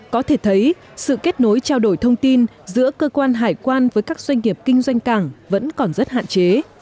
có thể thấy sự kết nối trao đổi thông tin giữa cơ quan hải quan với các doanh nghiệp kinh doanh cảng vẫn còn rất hạn chế